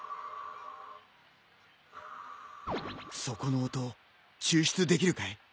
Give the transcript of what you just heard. そこの音抽出できるかい？